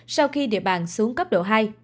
sau khi địa bàn xuống cấp độ hai